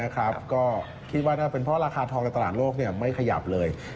ก็คิดว่าน่าเป็นเพราะราคาทองในตลาดโลกไม่ขยับเลย